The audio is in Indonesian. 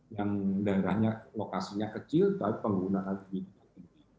yang daerahnya lokasinya kecil tapi pengguna antibiotik